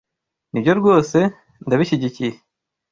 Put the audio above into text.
Nibyo rwose.ndabishyigikiyye